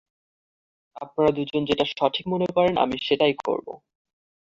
আপনারা দুজন যেটা সঠিক মনে করেন আমি সেটাই করব।